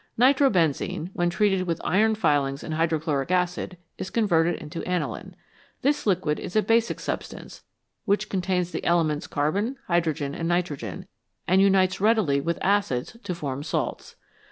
Nitro benzene, when treated with iron filings and hydro chloric acid, is converted into aniline. This liquid is a basic substance, which contains the elements carbon, hydrogen, and nitrogen, and unites readily with acids to form salts.